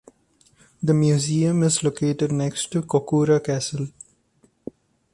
The museum is located next to Kokura Castle.